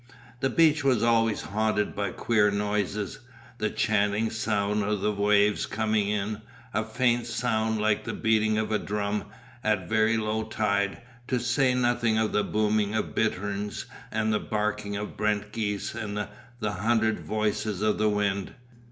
The beach was always haunted by queer noises; the chanting sound of the waves coming in, a faint sound like the beating of a drum at very low tide, to say nothing of the booming of bitterns and the barking of brent geese and the hundred voices of the wind.